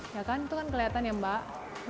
ya kan itu kan kelihatan ya mbak